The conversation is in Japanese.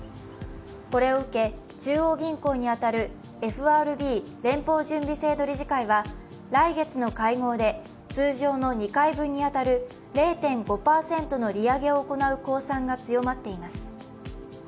これを受け中央銀行に当たる、ＦＲＢは来月の会合で通常の２回分に当たる０．５％の利上げを行う公算が強まっています。